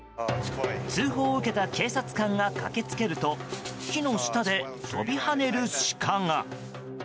通報を受けた警察官が駆けつけると木の下で飛び跳ねるシカが。